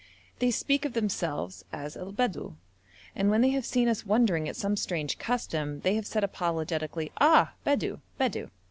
They speak of themselves as el Bedou, and when they have seen us wondering at some strange custom, they have said apologetically, 'Ah! Bedou, Bedou!'